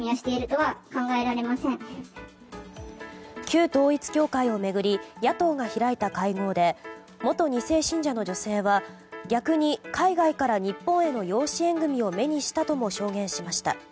旧統一教会を巡り野党が開いた会合で元２世信者の女性は逆に海外から日本への養子縁組を目にしたとも証言しました。